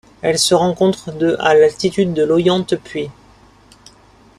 Elle se rencontre de à d'altitude de l'Auyan Tepuy.